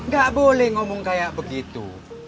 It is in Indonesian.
gak boleh ngomong kayak begitu